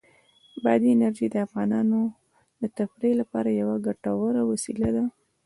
بادي انرژي د افغانانو د تفریح لپاره یوه ګټوره وسیله ده.